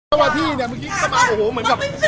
เจ้าหน้าที่เนี่ยเมื่อกี้เข้ามาโอ้โหเหมือนกับ